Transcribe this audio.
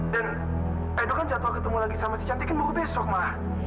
dan edo kan jatuh ketemu lagi sama si cantik kan baru besok ma